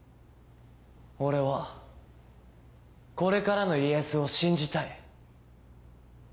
俺はこれからの家康を信じたい。